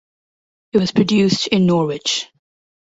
It was produced in Norwich.